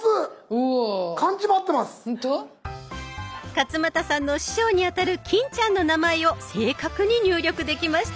勝俣さんの師匠にあたる欽ちゃんの名前を正確に入力できましたね。